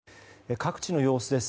各地の様子です。